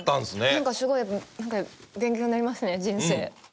なんかすごい勉強になりますね人生。